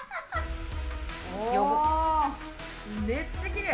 おー、めっちゃきれい。